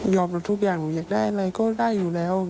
ยอมรับทุกอย่างอยากได้อะไรก็ได้อยู่แล้ว